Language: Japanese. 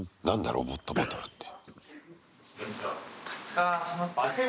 「ロボットバトル」って。